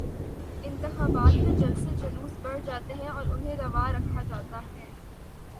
انتخابات میں جلسے جلوس بڑھ جاتے ہیں اور انہیں روا رکھا جاتا ہے۔